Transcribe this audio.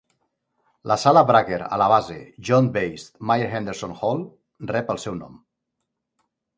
La sala Brucker a la base Joint Base Myer–Henderson Hall rep el seu nom.